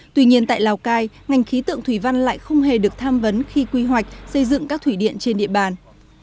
tuy nhiên tại lào cai ngành khí tượng thủy văn lại không hề được tham vấn khi quy hoạch xây dựng các thủy điện trên địa bàn